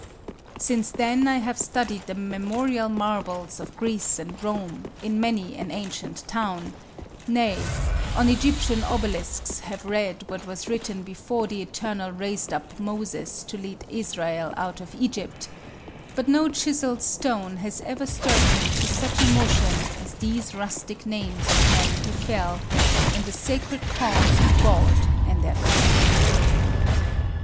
Since then I have studied the memorial marbles of Greece and Rome, in many an ancient town; nay, on Egyptian obelisks have read what was written before the Eternal raised up Moses to lead Israel out of Egypt; but no chiseled stone has ever stirred me to such emotion as these rustic names of men who fell "In the Sacred Cause of God and their Country."